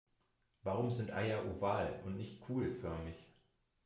Warum sind Eier oval und nicht kugelförmig?